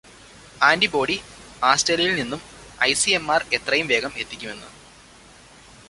antibody ആസ്ട്രേലിയയില് നിന്നും ICMR എത്രയും വേഗം എത്തിക്കുമെന്ന്